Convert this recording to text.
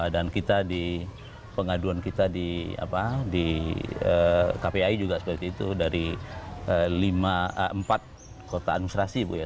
kita di pengaduan kita di kpai juga seperti itu dari empat kota administrasi bu ya